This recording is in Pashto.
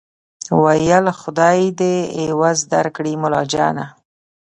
ویل خدای دي عوض درکړي ملاجانه